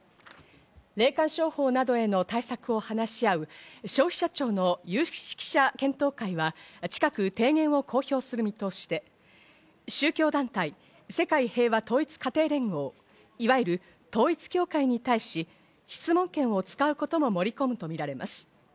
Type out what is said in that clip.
霊感商法などへの対策を話し合う消費者庁の有識者検討会は、近く提言を公表する見通しで、宗教団体・世界平和統一家庭連合、いわゆる統一協会に対し、質問権を使うことも盛り込むとみられます。